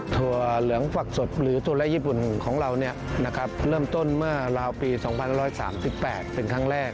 ถั่วเหลืองฝักสดหรือถั่ญี่ปุ่นของเราเริ่มต้นเมื่อราวปี๒๑๓๘เป็นครั้งแรก